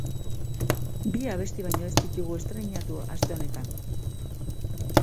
Bi abesti baino ez ditugu estreinatu aste honetan.